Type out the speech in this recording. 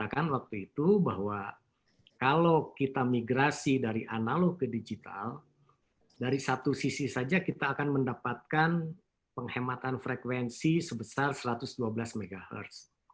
saya katakan waktu itu bahwa kalau kita migrasi dari analog ke digital dari satu sisi saja kita akan mendapatkan penghematan frekuensi sebesar satu ratus dua belas mhz